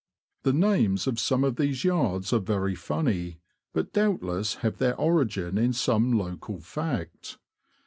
The names of some of these yards are very funny, but doubtless have their origin in some local fact.